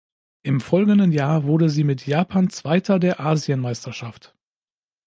Im folgenden Jahr wurde sie mit Japan Zweiter der Asienmeisterschaft.